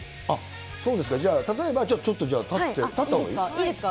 そうですか、じゃあ例えば、ちょっとじゃあ、立ったほうがいい？いいですか？